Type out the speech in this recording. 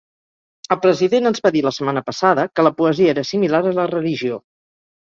El president ens va dir la setmana passada que la poesia era similar a la religió.